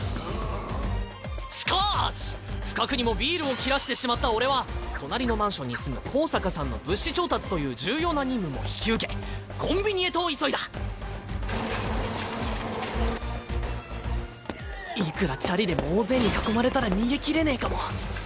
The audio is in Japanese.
しかし不覚にもビールを切らしてしまった俺は隣のマンションに住む香坂さんの物資調達という重要な任務も引き受けコンビニへと急いだいくらチャリでも大勢に囲まれたら逃げきれねぇかも。